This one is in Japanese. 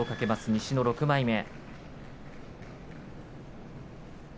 西の６枚目。